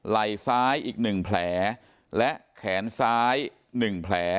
ไหล่ซ้ายอีก๑แผลและแขนซ้าย๑แผล